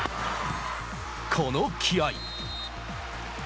この気合！